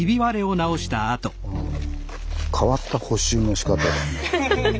変わった補修のしかただね。